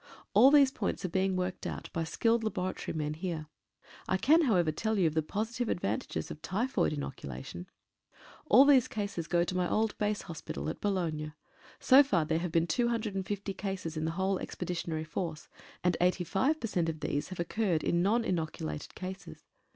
All these points are being worked out by skilled laboratory men here. I can, however, tell you of the positive advantages of typhoid inoculation. All these cases go to my old base hospital at Boulogne. So far there have been 250 cases in the whole Expedi tionary Force, and 85 per cent of these have occurred in non inoculated cases.